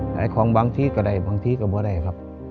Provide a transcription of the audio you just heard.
ขายของบางที่ก็ได้บางที่ก็ไม่ได้ครับ